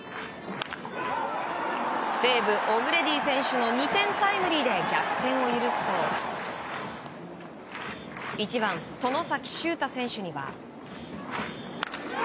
西武、オグレディ選手の２点タイムリーで逆転を許すと１番、外崎修汰選手には。